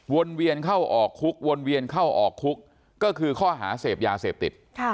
เวียนเข้าออกคุกวนเวียนเข้าออกคุกก็คือข้อหาเสพยาเสพติด